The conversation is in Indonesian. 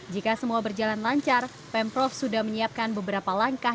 jika semua berjalan lancar pemprov sudah menyiapkan beberapa langkah